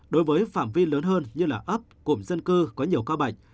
đối với phạm vi lớn hơn như là ấp cụm dân cư có nhiều ca bệnh